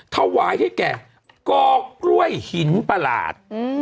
ถวายให้แก่กอกล้วยหินประหลาด